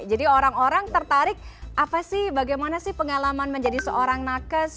jadi orang orang tertarik apa sih bagaimana sih pengalaman menjadi seorang nakes